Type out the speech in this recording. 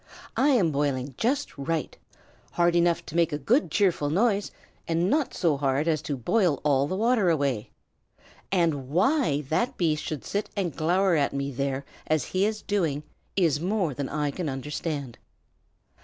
"I am boiling just right, hard enough to make a good cheerful noise, and not so hard as to boil all the water away. And why that beast should sit and glower at me there as he is doing, is more than I can understand."